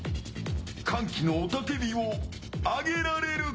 歓喜の雄たけびを上げられるか？